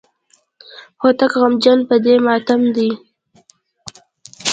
هوتک غمجن په دې ماتم دی.